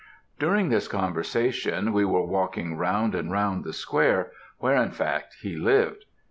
"During this conversation we were walking round and round the square, where in fact he lived.